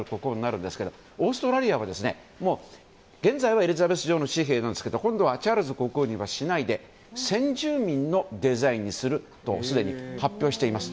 オーストラリアは現在はエリザベス女王の紙幣なんですけど今度はチャールズ国王にはしないで先住民のデザインにするとすでに発表しています。